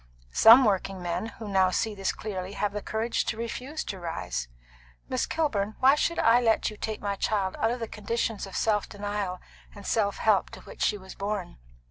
Some working men who now see this clearly have the courage to refuse to rise. Miss Kilburn, why should I let you take my child out of the conditions of self denial and self help to which she was born?"